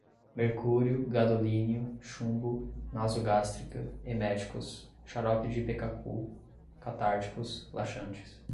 mercúrio, gadolínio, chumbo, nasogástrica, eméticos, xarope de Ipecacu, catárticos, laxantes